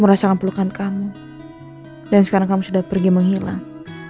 merasakan pelukan kamu dan sekarang kamu sudah pergi menghilang